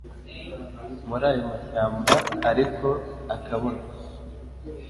murayomashyambaariko akabona